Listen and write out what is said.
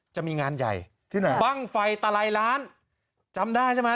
จะมีงานใหญ่ที่ไหนบ้างไฟตลายล้านจำได้ใช่ไหม